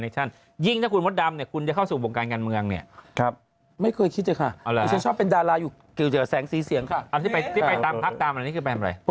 ตัวอย่างหลักการนั้นคือเขาก็เขียนชื่อ